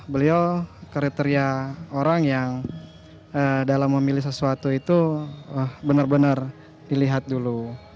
beliau kriteria orang yang dalam memilih sesuatu itu benar benar dilihat dulu